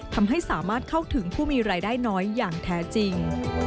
ทำให้สามารถเข้าถึงผู้มีรายได้น้อยอย่างแท้จริง